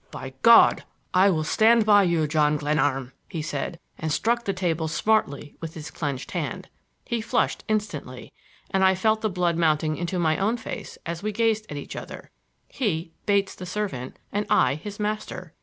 "By God, I will stand by you, John Glenarm!" he said, and struck the table smartly with his clenched hand. He flushed instantly, and I felt the blood mounting into my own face as we gazed at each other,—he, Bates, the servant, and I, his master!